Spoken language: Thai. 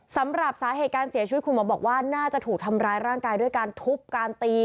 สำหรับสาเหตุการเสียชีวิตคุณหมอบอกว่าน่าจะถูกทำร้ายร่างกายด้วยการทุบการตี